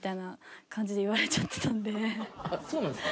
そうなんですか？